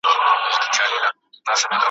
ننګیالیه دا دحال لحظه کافي ده